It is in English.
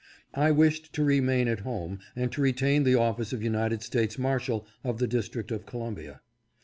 I wished to remain at home and to retain the office of United States Marshal of the District of Columbia.